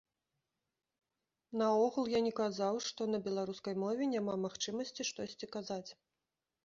Наогул, я не казаў, што на беларускай мове няма магчымасці штосьці казаць.